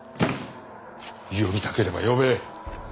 呼びたければ呼べ。